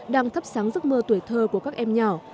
đang thắp sáng giấc mơ tuổi thơ của các em nhỏ